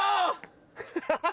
ハハハハ。